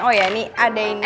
oh ya ini ada ini